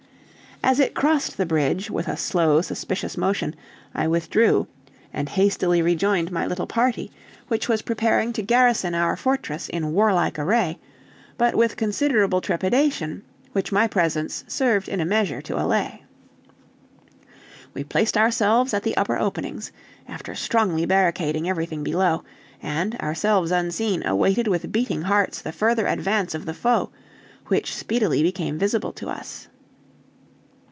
As it crossed the bridge, with a slow, suspicious motion, I withdrew, and hastily rejoined my little party, which was preparing to garrison our fortress in warlike array, but with considerable trepidation, which my presence served in a measure to allay. We placed ourselves at the upper openings, after strongly barricading everything below, and, ourselves unseen, awaited with beating hearts the further advance of the foe, which speedily became visible to us.